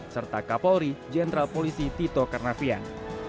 serta kapolri jenderal polisi tito karnavian